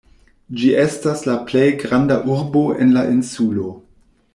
Ĝi estas la plej granda urbo en la insulo.